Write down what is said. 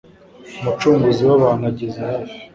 umucunguzi w'abantu ageze hafi